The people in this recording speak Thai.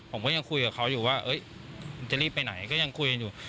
ผมก็ยังคุยกับเขาอยู่ว่าจะรีบไปไหนก็ยังคุยกันอยู่